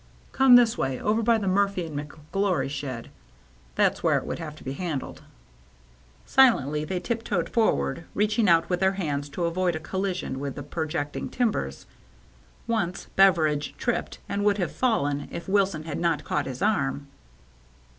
" Come this way — over by the Murphy and McGlory shed. That's where it would have to be handled." Silently they tiptoed forward, reaching out with their hands to avoid a collision with the projecting timbers. Once Beveridge tripped and would have fallen if Wilson had not caught his arm.